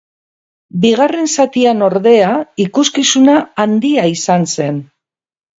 Bigarren zatian, ordea, ikuskizuna handia izan zen.